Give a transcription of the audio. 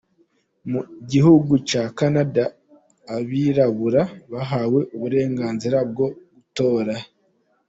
Mu gihugu cya Canada, abirabura bahawe uburenganzira bwo gutora.